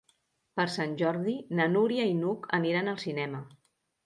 Per Sant Jordi na Núria i n'Hug aniran al cinema.